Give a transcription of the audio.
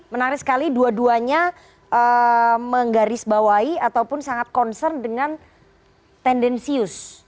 menarik sekali dua duanya menggarisbawahi ataupun sangat concern dengan tendensius